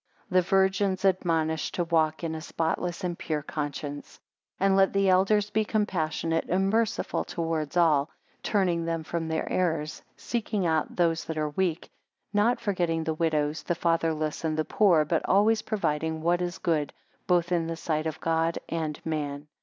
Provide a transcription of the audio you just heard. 14 The virgins admonish to walk in a spotless and pure conscience. 15 And let the elders be compassionate and merciful towards all; turning them from their errors; seeking out those that are weak; not forgetting the widows, the fatherless, and the poor; but always providing what is good both in the sight of God and man.